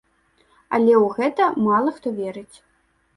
Але ў гэта мала хто верыць.